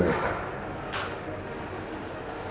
tadi siang perasaan aku ga enak